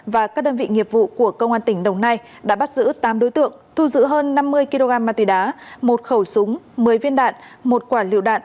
và các đơn vị nghiệp vụ của công an tỉnh đồng nai đã bắt giữ tám đối tượng thu giữ hơn năm mươi kg ma túy đá một khẩu súng một mươi viên đạn một quả liệu đạn